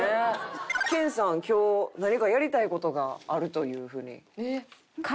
研さん今日何かやりたい事があるというふうに。